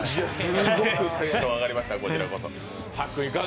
すごくテンション上がりました、こちらこそ。